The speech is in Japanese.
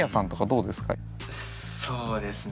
そうですね。